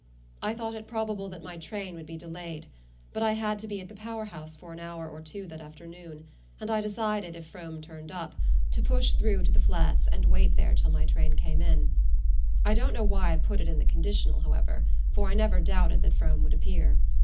I thought it probable that my train would be delayed; but I had to be at the power house for an hour or two that afternoon, and I decided, if Frome turned up, to push through to the Flats and wait there till my train came in. I don't know why I put it in the conditional, however, for I never doubted that Frome would appear.